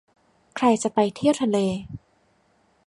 ใครจะไปเที่ยวทะเล